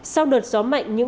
sau đợt gió mạnh